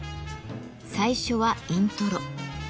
最初は「イントロ」